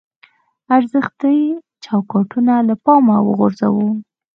ارزښتي چوکاټونه له پامه وغورځوو.